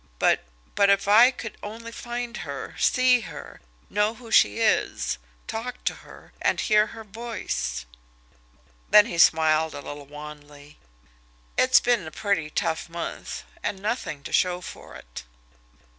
"But but if I could only find her, see her, know who she is, talk to her, and hear her voice!" Then he smiled a little wanly. "It's been a pretty tough month and nothing to show for it!"